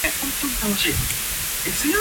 阿拉丁神燈